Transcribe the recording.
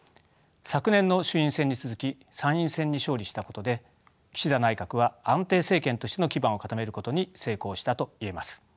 昨年の衆院選に続き参院選に勝利したことで岸田内閣は安定政権としての基盤を固めることに成功したといえます。